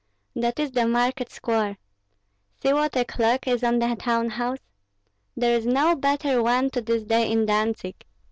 That is the market square. See what a clock is on the town house! There is no better one to this day in Dantzig.